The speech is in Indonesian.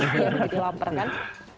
jadi kamu masih lapar kan